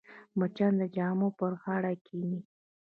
مچان د جامو پر غاړه کښېني